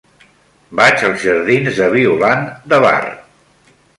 Vaig als jardins de Violant de Bar.